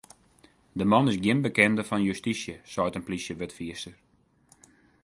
De man is gjin bekende fan justysje, seit in plysjewurdfierster.